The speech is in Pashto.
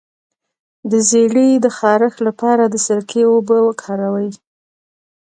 د زیړي د خارښ لپاره د سرکې اوبه وکاروئ